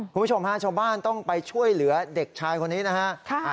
คุณผู้ชมฮะชาวบ้านต้องไปช่วยเหลือเด็กชายคนนี้นะฮะ